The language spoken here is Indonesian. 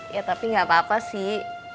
ya tapi nggak apa apa sih